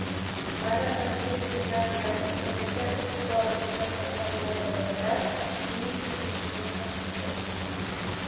Mana bir necha kundan buyon Internetda bu borada tarqalgan munosabatlar mening tashvishimni tasdiqlaydi